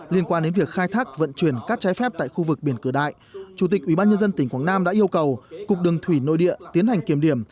liên quan đến việc khai thác vận chuyển các trái phép tại khu vực biển cửa đại chủ tịch ủy ban nhân dân tỉnh quảng nam đã yêu cầu cục đường thủy nội địa tiến hành kiềm điểm